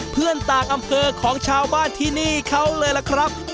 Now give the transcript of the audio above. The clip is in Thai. เพื่อนต่างอำเภอของชาวบ้านที่นี่เขาเลยล่ะครับ